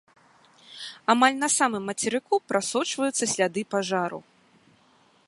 Амаль на самым мацерыку прасочваюцца сляды пажару.